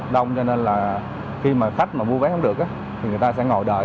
đông cho nên là khi mà khách mà mua vé không được thì người ta sẽ ngồi đợi